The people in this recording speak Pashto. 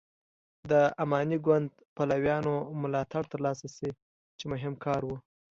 د اماني ګوند پلویانو ملاتړ تر لاسه شي چې مهم کار و.